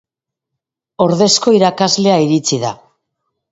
Ordezko irakaslea iritsi da.